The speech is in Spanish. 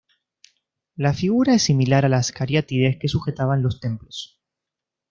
La figura es similar a las cariátides que sujetaban los templos.